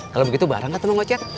kalau begitu bareng kata mang ocet